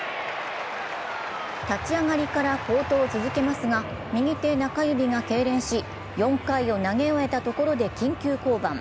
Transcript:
立ち上がりから好投を続けますが、右手中指がけいれんし、４回を投げ終えたところで緊急降板。